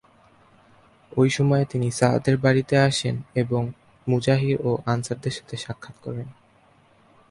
ঐ সময়ে তিনি সা’দের বাড়ীতে আসেন এবং মুহাজির ও আনসারদের সাথে সাক্ষাত করেন।